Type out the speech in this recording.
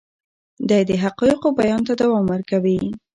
دی د حقایقو بیان ته دوام ورکوي.